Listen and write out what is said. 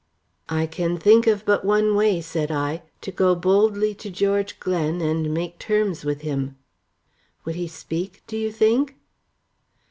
"I can think of but one way," said I, "to go boldly to George Glen and make terms with him." "Would he speak, do you think?"